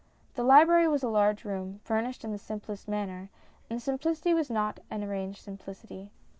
The library was a large room, furnished in the simplest manner, and the simplicity was not an arranged simplicity.